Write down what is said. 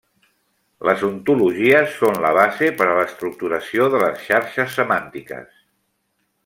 Les ontologies són la base per a l'estructuració de les xarxes semàntiques.